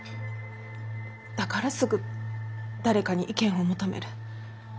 だからすぐ誰かに意見を求める。